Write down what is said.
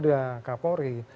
para kapolda kapolri